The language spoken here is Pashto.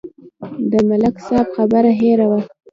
د ملک صاحب خبره هېره وه.